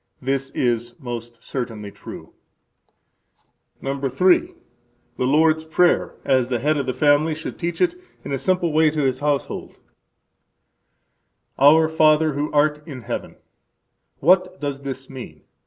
This is most certainly true. III. The Lord's Prayer As the head of the family should teach it in a simple way to his household. Introduction Our Father who art in heaven. What does this mean?